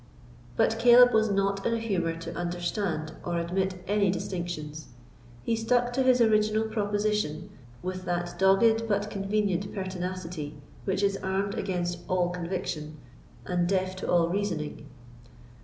But Caleb was not in a humour to understand or admit any distinctions. He stuck to his original proposition with that dogged but convenient pertinacity which is armed against all conviction, and deaf to all reasoning.